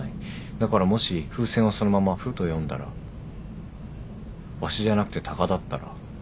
だからもし風船をそのまま「ふ」と読んだらワシじゃなくてタカだったら。